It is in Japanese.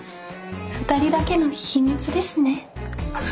二人だけの秘密ですね。